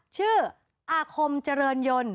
ชื่ออาคมเจริญยนต์